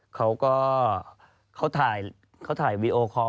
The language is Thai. เขาก็ถ่ายวิดีโอคอล์